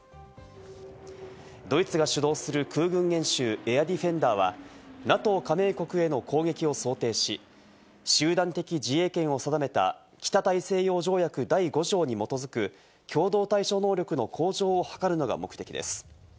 ドイツが主導する空軍演習エアディフェンダーはＮＡＴＯ加盟国への攻撃を想定し、集団的自衛権を定めた北大西洋条約第５条に基づく共同対処能力の向上を図るのが目的です。